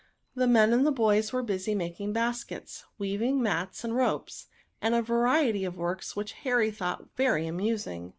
The men and boys were busy making baskets, weaving mats and ropes, and a variety of works, which Harry thought very amusing.